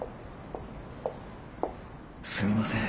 すみません。